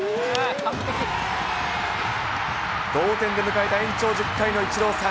同点で迎えた延長１０回のイチローさん。